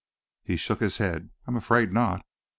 He shook his head. "I am afraid not."